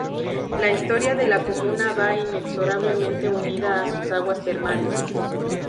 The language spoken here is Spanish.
La historia de la comuna va inexorablemente unida a sus aguas termales.